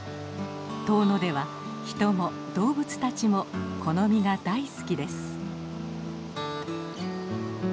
遠野では人も動物たちもこの実が大好きです。